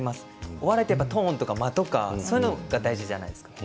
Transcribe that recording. お笑いってトーンとか間とかが大事じゃないですか。